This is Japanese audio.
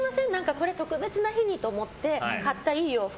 これ特別な日にって思って買ったいい洋服